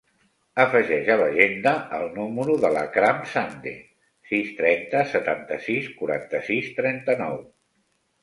Afegeix a l'agenda el número de l'Akram Sande: sis, trenta, setanta-sis, quaranta-sis, trenta-nou.